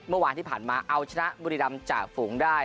เมื่อวานที่ผ่านมาเอาชนะบุรีรำจากฝูงได้